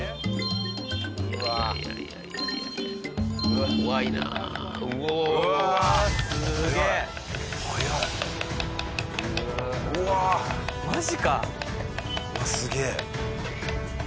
うわっすげえ。